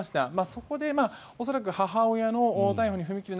そこで恐らく母親の逮捕に踏み切る